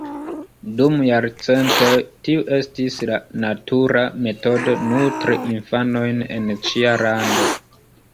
Dum jarcentoj tiu estis la natura metodo nutri infanojn en ĉia lando.